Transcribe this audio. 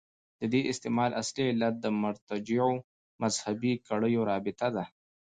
د دې استعمال اصلي علت د مرتجعو مذهبي کړیو رابطه وه.